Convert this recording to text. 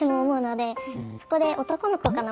そこで「男の子かな？